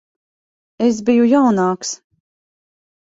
Es biju jaunāks.